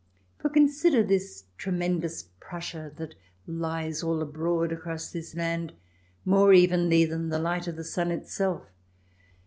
For consider this tremen dous Prussia that lies all abroad across this land, more evenly than the light of the sun itself.